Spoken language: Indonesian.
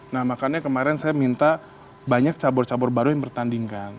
nah makanya kemarin saya minta banyak cabur cabur baru yang bertandingkan